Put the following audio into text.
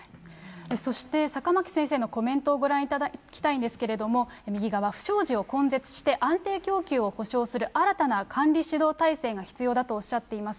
そして坂巻先生のコメントをご覧いただきたいんですけれども、右側、不祥事を根絶して、安定供給を保障する新たな管理指導体制が必要だとおっしゃっています。